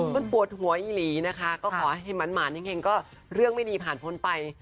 มันปวดหัวอีหลีนะคะก็ขอให้หมานแห่งก็เรื่องไม่ดีผ่านพ้นไป